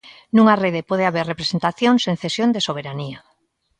Nunha rede pode haber representación sen cesión de soberanía.